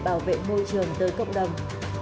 bảo vệ môi trường tới cộng đồng